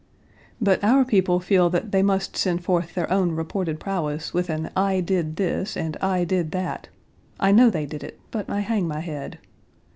But our people feel that they must send forth their own reported prowess: with an, "I did this and I did that." I know they did it; but I hang my head.